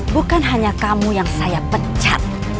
bukan hanya kamu yang saya pecat